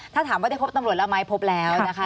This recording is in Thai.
ถ้าถามว่าได้พบตำรวจแล้วไหมพบแล้วนะคะ